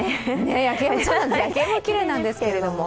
夜景もきれいなんですけどね。